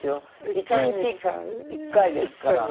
１日１回ですから。